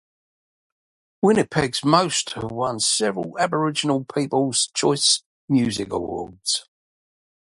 Winnipeg's Most have won several Aboriginal Peoples Choice Music Awards.